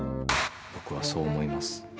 僕はそう思います。